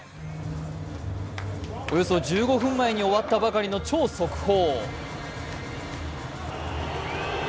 およそ１５分前に終わったばかりの超速報。